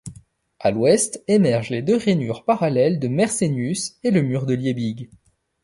À l'ouest émergent les deux rainures parallèles de Mersenius et le mur de Liebig.